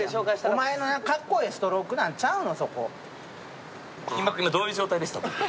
おまえのかっこええストロークちゃうの？